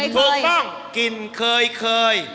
ถูกต้องกลิ่นเคย